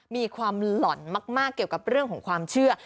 มีความหล่อนมากเกี่ยวกับเรื่องของความเชื่อ